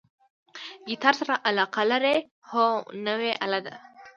ګیتار سره علاقه لرئ؟ هو، نوی آله ده